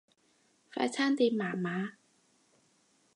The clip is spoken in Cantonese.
快餐店麻麻